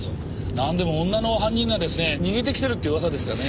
なんでも女の犯人がですね逃げてきてるっていう噂ですがね。